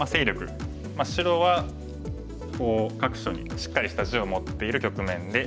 白は各所にしっかりした地を持っている局面で。